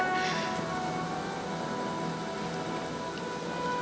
nanti aku balik